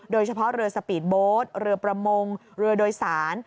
โดยเฉพาะเรือสปีดโบสต์เรือประมงเรือโดยสาร